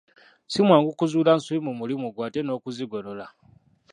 Ssi mwangu kuzuula nsobi mu mulimu gwe ate n'okuzigolola.